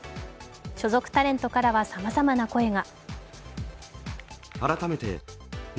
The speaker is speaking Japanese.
所属タレントからはさまざまな声が。